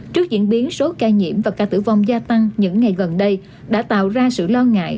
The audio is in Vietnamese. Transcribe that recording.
trước diễn biến số ca nhiễm và ca tử vong gia tăng những ngày gần đây đã tạo ra sự lo ngại